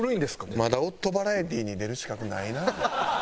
まだ夫バラエティに出る資格ないな。